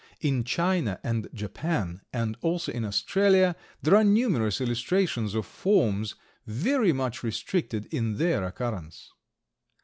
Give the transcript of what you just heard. In China and Japan, and also in Australia, there are numerous illustrations of forms very much restricted in their occurrence.